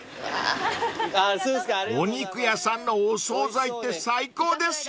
［お肉屋さんのお総菜って最高ですよね］